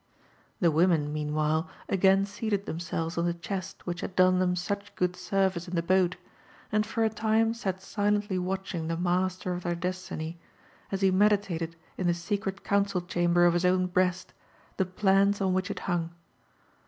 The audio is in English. The women meanwhile again seated themselves on the chest which bad done them such good service in the boat, and for a time sat si lently watching the master of their destiny as he meditated in the secret council chamber of his own breast the plans on which it hung.